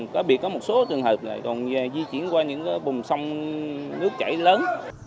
cá biệt có một số trường hợp là di chuyển qua những vùng sông nước chảy lớn